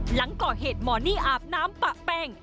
หลังก่อเหตุหมอนี่อาบน้ำปะแป้ง